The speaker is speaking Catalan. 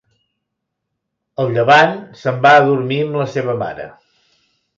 El llevant se'n va a dormir amb la seva mare.